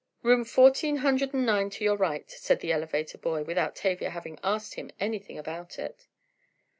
"Room Fourteen Hundred and Nine to your right," said the elevator boy, without Tavia having asked him anything about it.